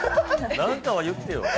何かは言ってよ。